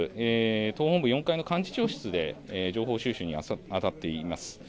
党本部４階の幹事長室で情報収集にあたっています。